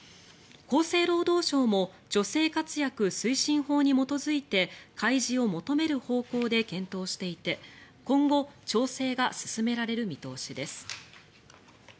厚生労働省も女性活躍推進法に基づいて開示を求める方向で検討していて今後調整が進められる見通しです。